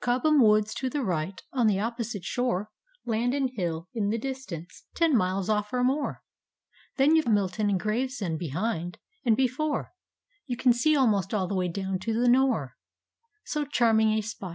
Cobham woods to the right, — on the opposite shore Landon Hill in the distance, ten miles off or more ; Then you've Milton and Gravescnd behind — and before You can see almost all the way down to the Note. — So charming a spot.